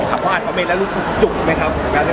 เพราะอาจคอมเมนต์แล้วรู้สึกจุกไหมครับ